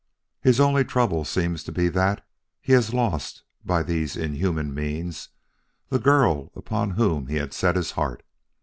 His only trouble seems to be that he has lost, by these inhuman means, the girl upon whom he had set his heart.